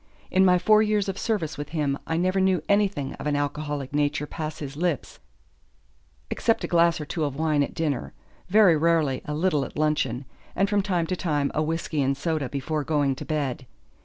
In my four years of service with him I never knew anything of an alcoholic nature pass his lips except a glass or two of wine at dinner, very rarely a little at luncheon, and from time to time a whisky and soda before going to bed.